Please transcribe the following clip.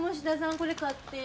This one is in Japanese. これ買ってー。